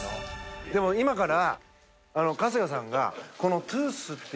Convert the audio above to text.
でも今から。